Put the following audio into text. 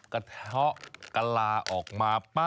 กระเทาะกะลาออกมาป่ะ